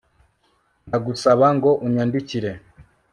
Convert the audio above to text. Ndagusaba ngo unyandikire